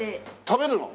食べるの？